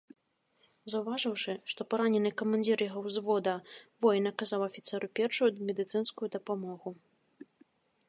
Заўважыўшы, што паранены камандзір яго ўзвода, воін аказаў афіцэру першую медыцынскую дапамогу.